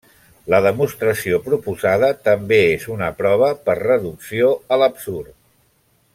La demostració proposada també és una prova per reducció a l'absurd.